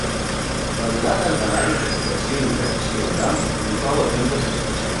La durada de l'Àrea d'Expressió i Interacció Orals inclou el temps de preparació.